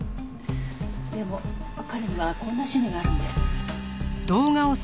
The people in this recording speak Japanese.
でも彼にはこんな趣味があるんです。